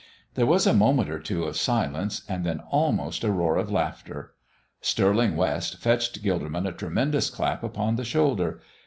There was a moment or two of silence and then almost a roar of laughter. Stirling West fetched Gilderman a tremendous clap upon the shoulder.